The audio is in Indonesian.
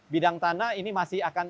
bidang tanah ini masih akan